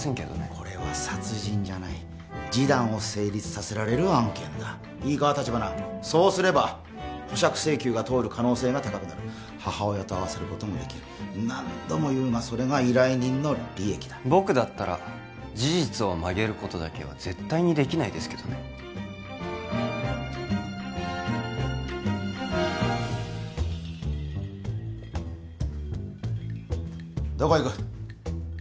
これは殺人じゃない示談を成立させられる案件だいいか立花そうすれば保釈請求が通る可能性が高くなる母親と会わせることもできる何度も言うがそれが依頼人の利益だ僕だったら事実を曲げることだけは絶対にできないですけどねどこ行く？